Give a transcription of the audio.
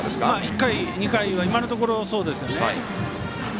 １回、２回は今のところそうですね。